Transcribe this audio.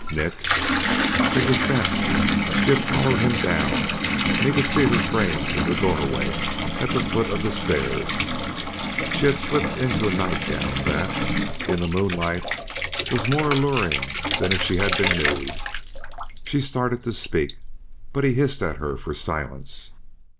"Nick?" It was Beth. She had followed him down and he could see her framed in the doorway at the foot of the stairs. She had slipped into a nightgown that, in the moonlight, was more alluring than if she had been nude. She started to speak, but he hissed at her for silence.